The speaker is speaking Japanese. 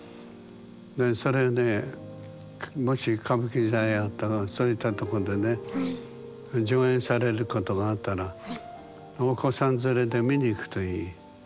でそれでもし歌舞伎座やったらそういったとこでね上演されることがあったらお子さん連れで見に行くといい。